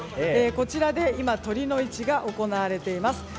こちらで今、酉の市が行われています。